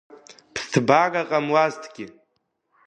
Ԥсҭбара ҟамлазҭгьы…